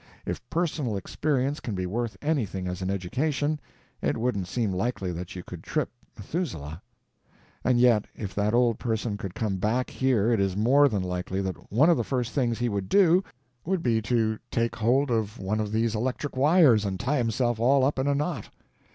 If personal experience can be worth anything as an education, it wouldn't seem likely that you could trip Methuselah; and yet if that old person could come back here it is more than likely that one of the first things he would do would be to take hold of one of these electric wires and tie himself all up in a knot.